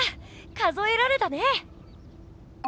数えられたね！